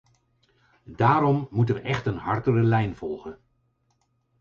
Daarom moeten we echt een hardere lijn volgen.